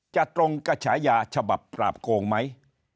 ตรงกับฉายาฉบับปราบโกงไหม